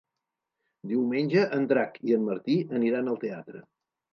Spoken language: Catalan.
Diumenge en Drac i en Martí aniran al teatre.